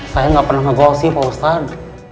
saya gak pernah ngegosip pak ustaz